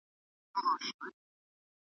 ورته وغوړوي مخ ته د مرګ پړی .